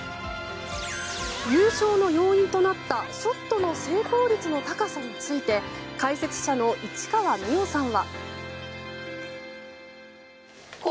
優勝の要因となったショットの成功率の高さについて解説者の市川美余さんは。